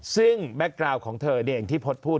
ซึ่งแม็กกราวของเธอเองที่พจน์พูด